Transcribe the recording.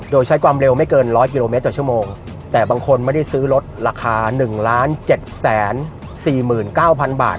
โดยใช้ความเร็วไม่เกินร้อยกิโลเมตรต่อชั่วโมงแต่บางคนไม่ได้ซื้อรถราคาหนึ่งล้านเจ็ดแสนสี่หมื่นเก้าพันบาท